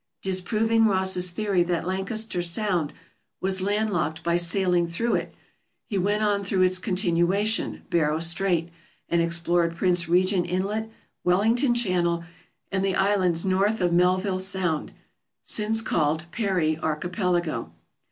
Disproving Ross's theory that Lancaster Sound was landlocked by sailing through it, he went on through its continuation, Barrow Strait, and explored Prince Regent Inlet, Wellington Channel, and the islands north of Melville Sound since called Parry Archi pelago.